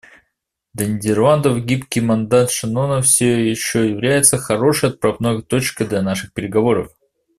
Для Нидерландов гибкий мандат Шеннона все еще является хорошей отправной точкой для наших переговоров.